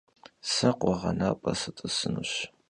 Se khueğenap'e sıt'ısınuş.